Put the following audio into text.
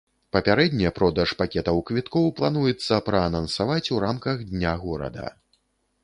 Папярэдне продаж пакетаў квіткоў плануецца праанансаваць у рамках дня горада.